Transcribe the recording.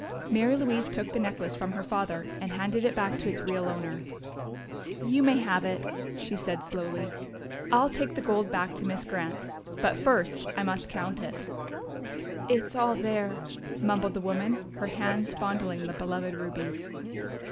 Mary Louise took the necklace from her father and handed it back to its real owner. "You may have it," she said slowly. "I'll take the gold back to Miss Grant. But first I must count it." "It's all there," mumbled the woman, her hands fondling the beloved rubies.